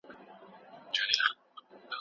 رستوف او بالکونسکي په دې رومان کې مهمې کورنۍ دي.